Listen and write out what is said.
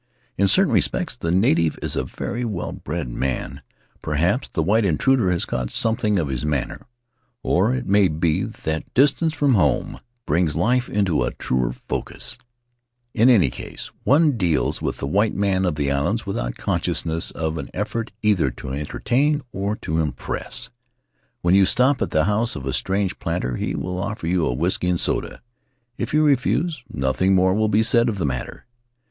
In certain respects the native is a very well bred man; perhaps the white intruder has caught something of his manner — or it may be that distance from home brings life into a truer focus; in any case, one deals with the white man of the islands without consciousness of an effort either to entertain or to impress. When you stop at the house of a strange planter he will offer you a whisky and soda — if you refuse, nothing more At the House of Tari will be said of the matter.